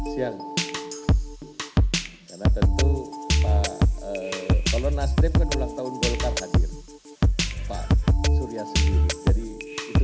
hai siang karena tentu pak kalau nasib menulang tahun golkar hadir pak surya sendiri jadi itu